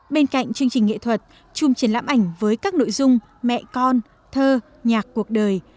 bên cạnh chương trình nghệ thuật chùm triển lãm ảnh với các nội dung mẹ con thơ nhạc cuộc đời